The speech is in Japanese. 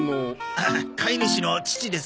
あっ飼い主の父です。